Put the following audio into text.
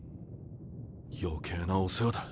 余計なお世話だ。